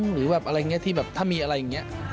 หรือแบบอะไรอย่างนี้ที่แบบถ้ามีอะไรอย่างนี้